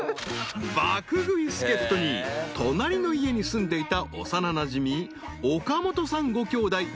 ［爆食い助っ人に隣の家に住んでいた幼なじみ岡本さんごきょうだい。